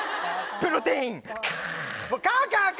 プロテインか！